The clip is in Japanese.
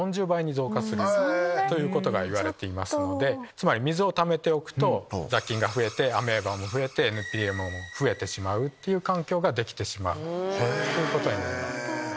つまり水をためておくと雑菌が増えてアメーバも増えてＮＴＭも増えてしまう環境ができてしまうことになります。